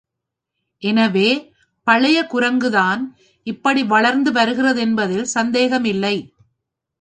எனவே பழைய குரங்குதான் இப்படி வளர்ந்து வருகிறதென்பதில் சந்தேகமில்லை.